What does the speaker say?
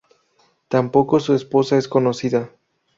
Tampoco su esposa es conocida.